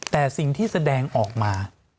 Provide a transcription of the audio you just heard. แต่สิ่งที่แสดงออกมา